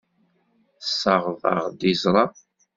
Tessaɣeḍ-aɣ-d iẓra.